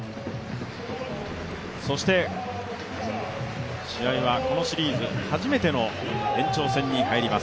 そして試合はこのシリーズ初めての延長戦に入ります。